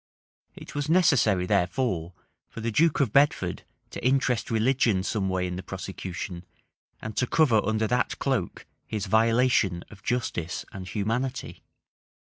It was necessary, therefore, for the duke of Bedford to interest religion some way in the prosecution, and to cover under that cloak his violation of justice and humanity.